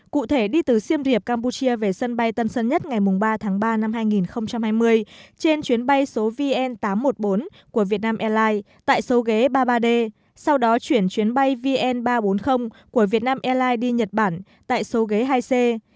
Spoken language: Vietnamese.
cụ thể đi từ siêm reap campuchia về sân bay tân sơn nhất ngày ba tháng ba năm hai nghìn hai mươi trên chuyến bay số vn tám trăm một mươi bốn của việt nam airlines tại số ghế ba mươi ba d sau đó chuyển chuyến bay vn ba trăm bốn mươi của việt nam airlines đi nhật bản tại số ghế hai c